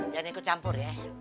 jangan ikut campur ya